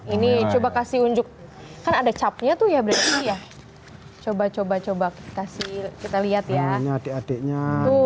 ini coba kasih unjuk kan ada capnya tuh ya berarti ya coba coba kasih kita lihat ya adik adiknya tuh